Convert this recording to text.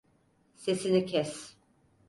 Sesini kes!